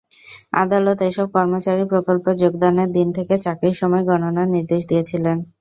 আদালত এসব কর্মচারীর প্রকল্পে যোগদানের দিন থেকে চাকরির সময় গণনার নির্দেশ দিয়েছিলেন।